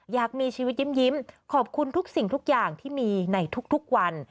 อยากมีชีวิตยิ้มขอบคุณทุกสิ่งทุกอย่างที่มีในทุกวัน